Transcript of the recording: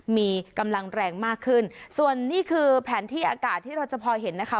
มีกำลังแรงมากขึ้นส่วนนี่คือแผนที่อากาศที่เราจะพอเห็นนะคะ